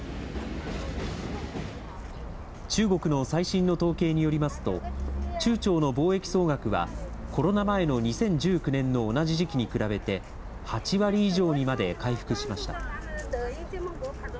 中国の最新の統計によりますと、中朝の貿易総額は、コロナ前の２０１９年の同じ時期に比べて、８割以上にまで回復しました。